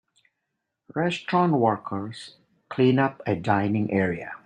Restaurant workers clean up a dining area.